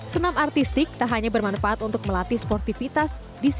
senam artistik tak hanya bermanfaat untuk melatih sportivitas